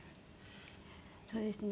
そうですね。